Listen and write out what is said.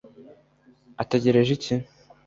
ategereje iki